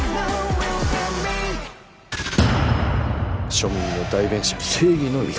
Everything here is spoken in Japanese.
庶民の代弁者正義の味方。